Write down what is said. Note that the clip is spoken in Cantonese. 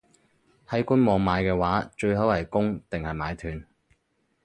喺官網買嘅話，最好係供定係買斷?